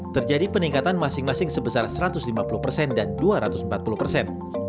terjadi peningkatan masing masing sebesar satu ratus lima puluh persen dan dua ratus empat puluh persen